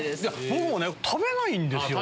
僕も食べないんですよ。